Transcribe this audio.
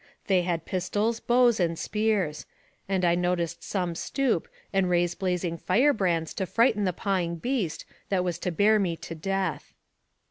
They had pistols, bows, and spears; and I noticed some stoop, and raise blazing fire brands to frighten the pawing beast that was to bear me to death.